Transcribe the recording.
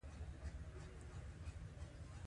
پنېر د شیدو طبیعي بڼه ده.